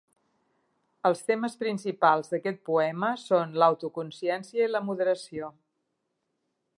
Els temes principals d'aquest poema són l'autoconsciència i la moderació.